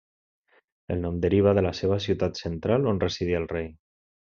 El nom derivava de la seva ciutat central on residia el rei.